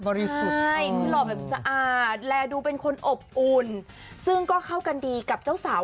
ใช่คือหล่อแบบสะอาดและดูเป็นคนอบอุ่นซึ่งก็เข้ากันดีกับเจ้าสาว